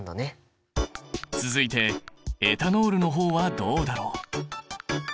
続いてエタノールの方はどうだろう？